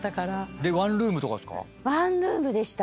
でワンルームとかっすか？